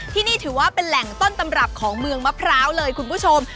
ที่นี่ถือว่าเป็นแหล่งต้นตำรับของเมืองมะพร้าวเลยคุณผู้ชม